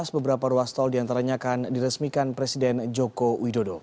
beberapa ruas tol diantaranya akan diresmikan presiden joko widodo